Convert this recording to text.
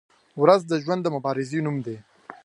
• ورځ د ژوند د مبارزې نوم دی.